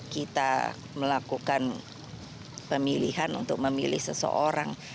kita melakukan pemilihan untuk memilih seseorang